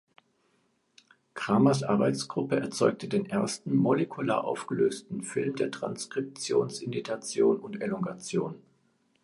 Cramers Arbeitsgruppe erzeugte den ersten molekular aufgelösten Film der Transkriptions-Initiation und -Elongation.